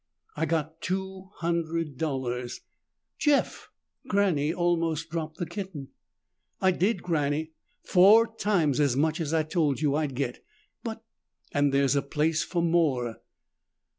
"I got two hundred dollars." "Jeff!" Granny almost dropped the kitten. "I did, Granny. Four times as much as I told you I'd get." "But " "And there's a place for more."